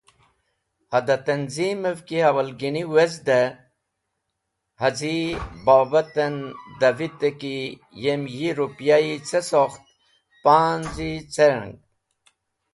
Hada tanzimev ki awalgini wezde, haz̃i abota’n da vite ki yem yi ripyayi ce sokht, panz̃i cereng?